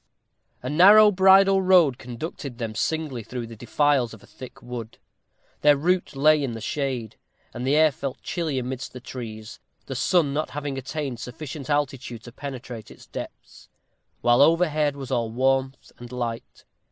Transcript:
A narrow bridle road conducted them singly through the defiles of a thick wood. Their route lay in the shade, and the air felt chilly amidst the trees, the sun not having attained sufficient altitude to penetrate its depths, while overhead all was warmth and light.